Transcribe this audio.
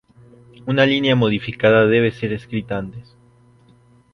Una línea Modificada debe ser escrita antes.